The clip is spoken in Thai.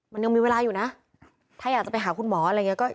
มันยังมีเวลาอยู่นะถ้าอยากจะไปหาคุณหมออะไรอย่างนี้